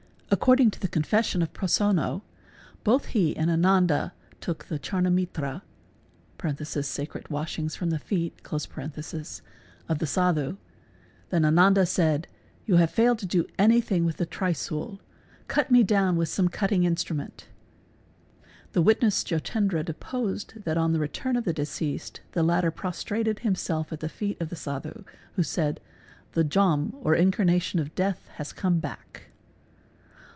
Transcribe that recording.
According to the con q fession of Prosonno, both he and Ananda took the charnamitra (sacred 4 ashings from the feet) of the Sadhu, and then Ananda said '' You have failed to do anything with the trisul, cut me down with some cutting 382 SUPERSTITION instrument." The witness Jotendra deposed that on the return of the deceased the latter prostrated himself at the feet of the Sadhu, who said "The Jom or incarnation of death has come back.